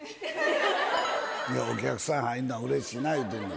いやお客さん入んのはうれしいな言うてんねん。